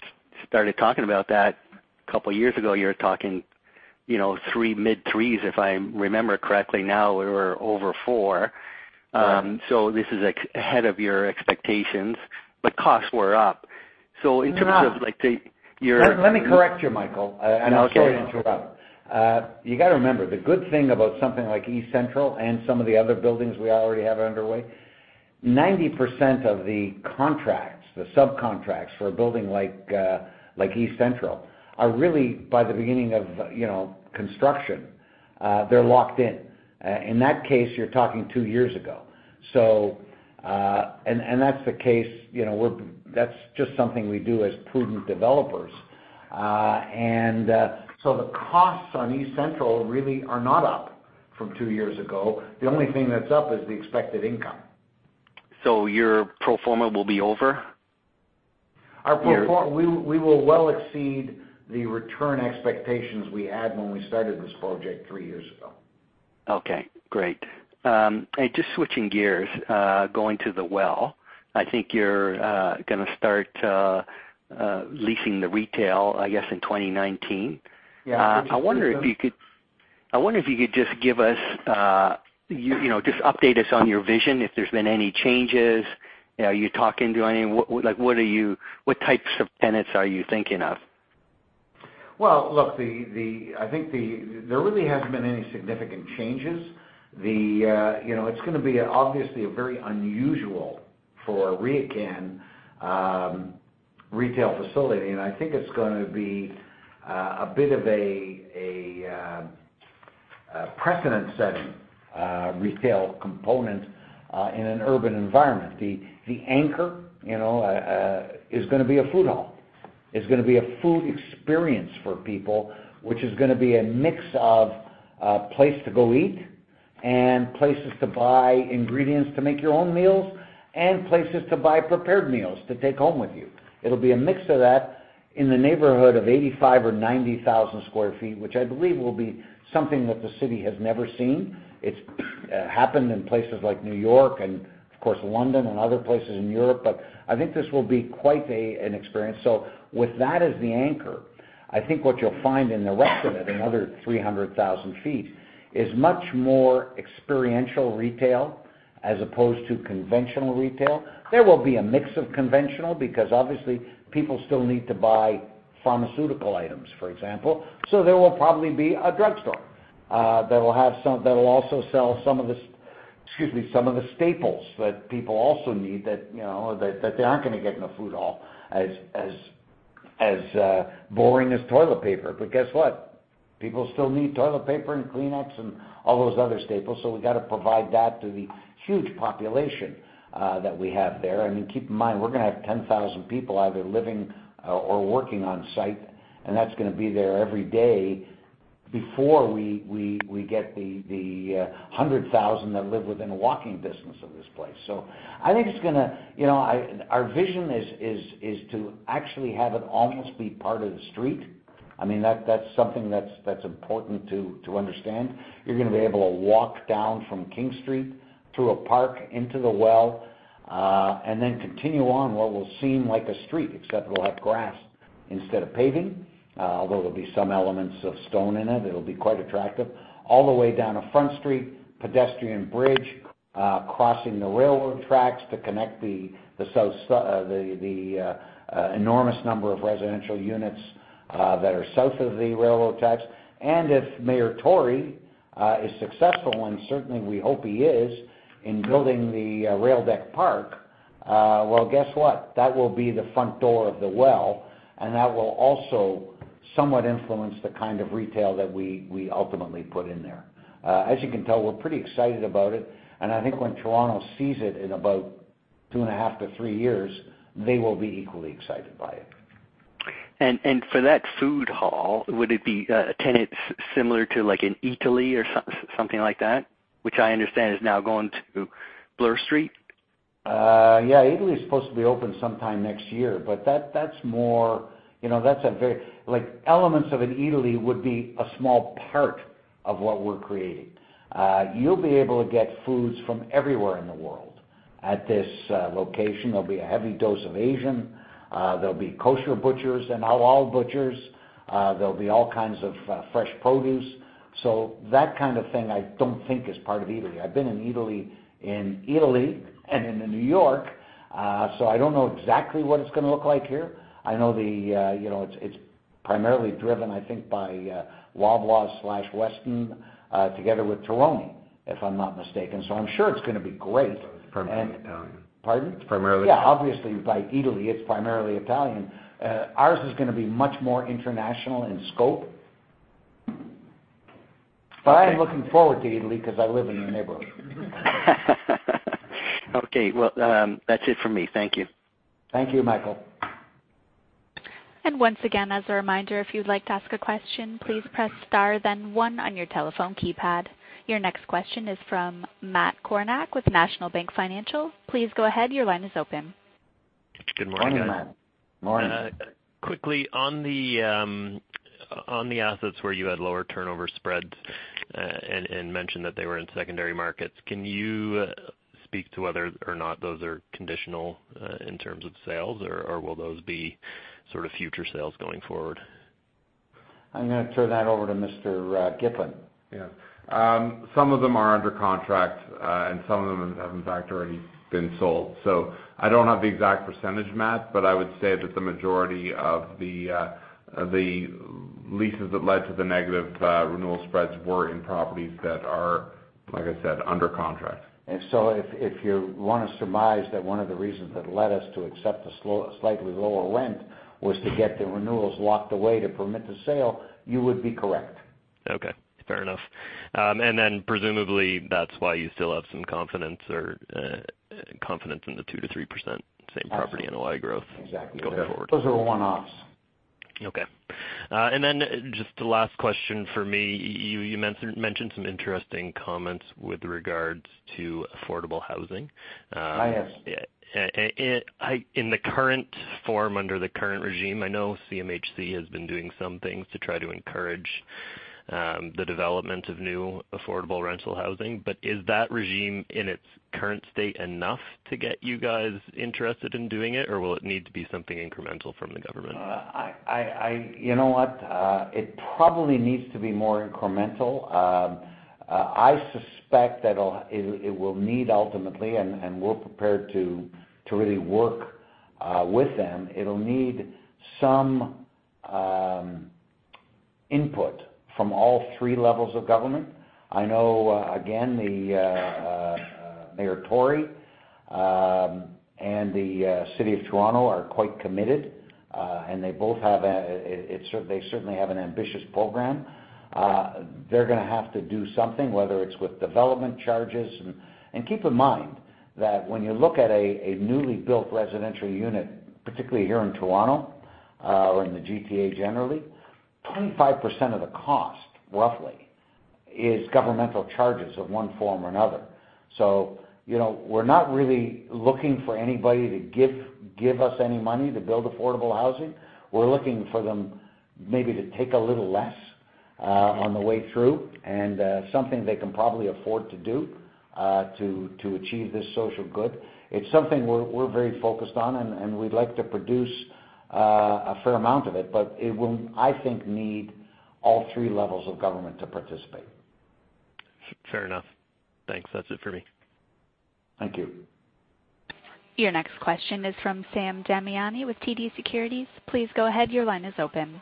started talking about that a couple of years ago, you were talking mid CAD threes, if I remember correctly. Now we're over CAD four. Right. This is ahead of your expectations, but costs were up. In terms of, like, say your Let me correct you, Michael. Okay I'm sorry to interrupt. You got to remember, the good thing about something like eCentral and some of the other buildings we already have underway, 90% of the contracts, the subcontracts for a building like eCentral are really by the beginning of construction. They're locked in. In that case, you're talking two years ago. That's the case, that's just something we do as prudent developers. The costs on eCentral really are not up from two years ago. The only thing that's up is the expected income. Your pro forma will be over? We will well exceed the return expectations we had when we started this project 3 years ago. Okay, great. Just switching gears, going to The Well. I think you're going to start leasing the retail, I guess, in 2019. Yeah. I wonder if you could just update us on your vision, if there's been any changes. Are you talking to What types of tenants are you thinking of? Well, look, there really hasn't been any significant changes. It's going to be obviously a very unusual, for RioCan, retail facility. I think it's going to be a bit of a precedent-setting retail component in an urban environment. The anchor is going to be a food hall. It's going to be a food experience for people, which is going to be a mix of a place to go eat and places to buy ingredients to make your own meals and places to buy prepared meals to take home with you. It'll be a mix of that in the neighborhood of 85,000 or 90,000 sq ft, which I believe will be something that the city has never seen. It's happened in places like New York and, of course, London and other places in Europe. I think this will be quite an experience. With that as the anchor, I think what you'll find in the rest of it, another 300,000 feet, is much more experiential retail as opposed to conventional retail. There will be a mix of conventional, because obviously people still need to buy pharmaceutical items, for example. There will probably be a drugstore that will also sell some of the staples that people also need that they aren't going to get in a food hall, as boring as toilet paper. Guess what? People still need toilet paper and Kleenex and all those other staples, we got to provide that to the huge population that we have there. I mean, keep in mind, we're going to have 10,000 people either living or working on-site, and that's going to be there every day before we get the 100,000 that live within walking distance of this place. Our vision is to actually have it almost be part of the street. That's something that's important to understand. You're going to be able to walk down from King Street through a park into The Well, then continue on what will seem like a street, except it'll have grass instead of paving. Although there'll be some elements of stone in it'll be quite attractive, all the way down to Front Street, pedestrian bridge, crossing the railroad tracks to connect the enormous number of residential units that are south of the railroad tracks. If John Tory is successful, and certainly we hope he is, in building the Rail Deck Park, well, guess what? That will be the front door of The Well, that will also somewhat influence the kind of retail that we ultimately put in there. As you can tell, we're pretty excited about it, I think when Toronto sees it in about two and a half to three years, they will be equally excited by it. For that food hall, would it be tenants similar to like an Eataly or something like that? Which I understand is now going to Bloor Street. Eataly is supposed to be open sometime next year, but elements of an Eataly would be a small part of what we're creating. You'll be able to get foods from everywhere in the world at this location. There'll be a heavy dose of Asian. There'll be kosher butchers and halal butchers. There'll be all kinds of fresh produce. That kind of thing, I don't think is part of Eataly. I've been in Eataly in Italy and in New York. I don't know exactly what it's going to look like here. I know it's primarily driven, I think, by Loblaw/Weston together with Terroni, if I'm not mistaken. I'm sure it's going to be great. It's primarily Italian. Pardon? It's primarily. Obviously, by Eataly, it's primarily Italian. Ours is going to be much more international in scope. I am looking forward to Eataly because I live in the neighborhood. Okay. Well, that's it for me. Thank you. Thank you, Michael. Once again, as a reminder, if you'd like to ask a question, please press star then one on your telephone keypad. Your next question is from Matt Kornack with National Bank Financial. Please go ahead. Your line is open. Good morning, Matt. Morning. Quickly, on the assets where you had lower turnover spreads and mentioned that they were in secondary markets, can you speak to whether or not those are conditional in terms of sales, or will those be sort of future sales going forward? I'm going to turn that over to Mr. Gitlin. Yeah. Some of them are under contract, and some of them have, in fact, already been sold. I don't have the exact percentage, Matt, but I would say that the majority of the leases that led to the negative renewal spreads were in properties that are, like I said, under contract. If you want to surmise that one of the reasons that led us to accept a slightly lower rent was to get the renewals locked away to permit the sale, you would be correct. Okay. Fair enough. Presumably, that's why you still have some confidence in the 2%-3% same-property NOI growth- Exactly going forward. Those are one-offs. Okay. Just the last question for me. You mentioned some interesting comments with regards to affordable housing. Yes. In the current form, under the current regime, I know CMHC has been doing some things to try to encourage the development of new affordable rental housing. Is that regime in its current state enough to get you guys interested in doing it, or will it need to be something incremental from the government? You know what? It probably needs to be more incremental. I suspect that it will need ultimately, and we're prepared to really work with them. It'll need some input from all three levels of government. I know, again, John Tory and the City of Toronto are quite committed, and they certainly have an ambitious program. They're going to have to do something, whether it's with development charges. Keep in mind that when you look at a newly built residential unit, particularly here in Toronto, or in the GTA, generally, 25% of the cost, roughly, is governmental charges of one form or another. We're not really looking for anybody to give us any money to build affordable housing. We're looking for them maybe to take a little less on the way through, and something they can probably afford to do to achieve this social good. It's something we're very focused on, and we'd like to produce a fair amount of it. It will, I think, need all three levels of government to participate. Fair enough. Thanks. That's it for me. Thank you. Your next question is from Sam Damiani with TD Securities. Please go ahead, your line is open.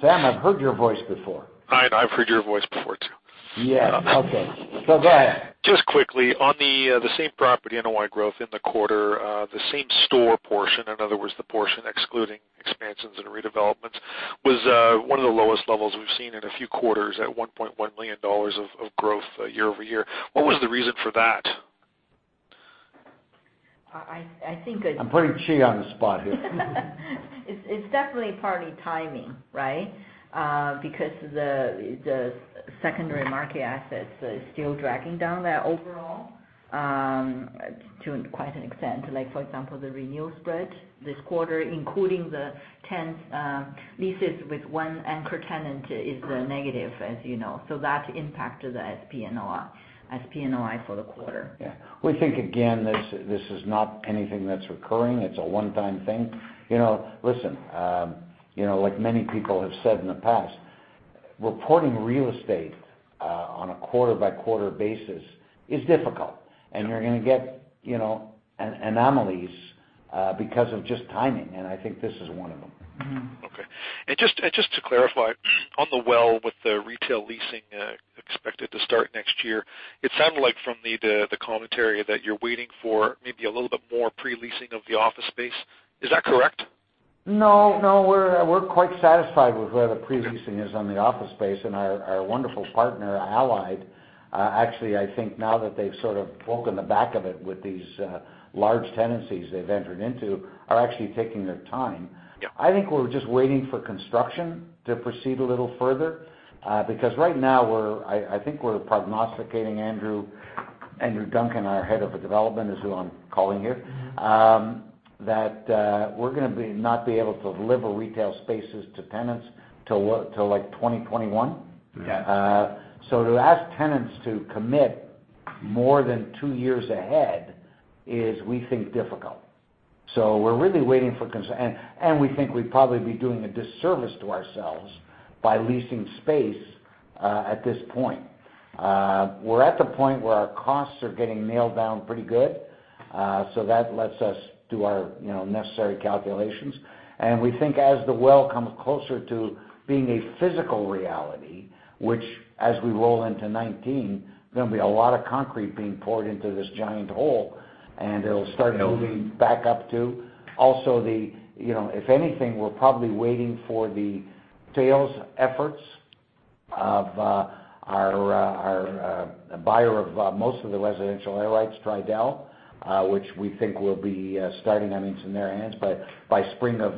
Sam, I've heard your voice before. I've heard your voice before, too. Yes. Okay. Go ahead. Just quickly, on the same property NOI growth in the quarter, the same store portion, in other words, the portion excluding expansions and redevelopments, was one of the lowest levels we've seen in a few quarters at 1.1 million dollars of growth year-over-year. What was the reason for that? I'm putting Qi on the spot here. It's definitely partly timing, right? The secondary market assets are still dragging down that overall to quite an extent. For example, the renewal spread this quarter, including the 10 leases with one anchor tenant, is negative, as you know. That impacted the SPNOI for the quarter. Yeah. We think, again, this is not anything that's recurring. It's a one-time thing. Listen, like many people have said in the past, reporting real estate on a quarter-by-quarter basis is difficult. You're going to get anomalies because of just timing, and I think this is one of them. Okay. Just to clarify, on The Well with the retail leasing expected to start next year, it sounded like from the commentary that you're waiting for maybe a little bit more pre-leasing of the office space. Is that correct? No, we're quite satisfied with where the pre-leasing is on the office space. Our wonderful partner, Allied, actually, I think now that they've sort of broken the back of it with these large tenancies they've entered into, are actually taking their time. Yeah. I think we're just waiting for construction to proceed a little further. Right now, I think we're prognosticating Andrew Duncan, our head of development, is who I'm calling here. That we're going to not be able to deliver retail spaces to tenants till like 2021. Yeah. To ask tenants to commit more than two years ahead is, we think, difficult. We think we'd probably be doing a disservice to ourselves by leasing space at this point. We're at the point where our costs are getting nailed down pretty good. That lets us do our necessary calculations. We think as The Well comes closer to being a physical reality, which as we roll into 2019, there's going to be a lot of concrete being poured into this giant hole. It'll start moving back up too. Also, if anything, we're probably waiting for the sales efforts of our buyer of most of the residential air rights, Tridel, which we think will be starting, I mean, it's in their hands, but by spring of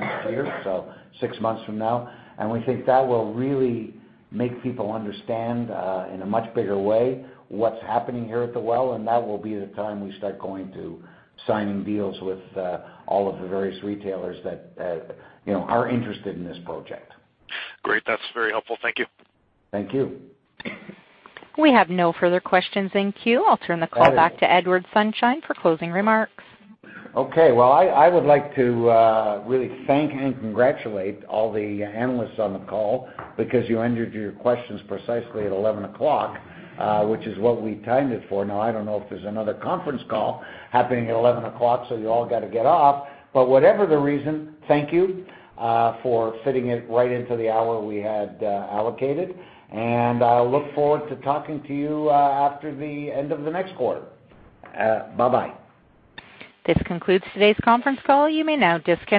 next year, so six months from now. We think that will really make people understand in a much bigger way what's happening here at The Well, and that will be the time we start going to signing deals with all of the various retailers that are interested in this project. Great. That's very helpful. Thank you. Thank you. We have no further questions in queue. I'll turn the call back to Edward Sonshine for closing remarks. Okay. Well, I would like to really thank and congratulate all the analysts on the call because you ended your questions precisely at 11 o'clock, which is what we timed it for. I don't know if there's another conference call happening at 11 o'clock, so you all got to get off. Whatever the reason, thank you for fitting it right into the hour we had allocated. I look forward to talking to you after the end of the next quarter. Bye-bye. This concludes today's conference call. You may now disconnect.